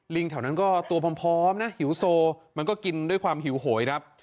แถวนั้นก็ตัวพร้อมนะหิวโซมันก็กินด้วยความหิวโหยครับ